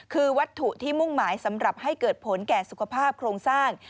คือวัตถุที่มุ่งหมายสำหรับให้เกิดผลแก่สุขภาพโครงสร้าง